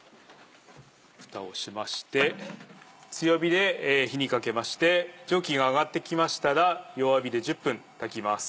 ふたをしまして強火で火にかけまして蒸気が上がってきましたら弱火で１０分炊きます。